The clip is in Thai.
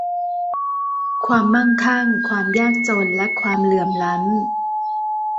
ความมั่งคั่ง ความยากจนและความเหลื่อมล้ำ